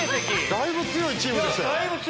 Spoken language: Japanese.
だいぶ強いチームでしたよ。